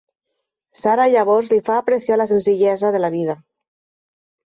Sara llavors li fa apreciar la senzillesa de la vida.